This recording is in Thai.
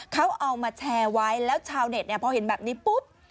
เขาเอามาแชร์ไว้แล้วชาวเน็ตเนี่ยพอเห็นแบบนี้ปุ๊บ